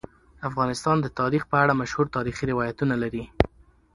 افغانستان د تاریخ په اړه مشهور تاریخی روایتونه لري.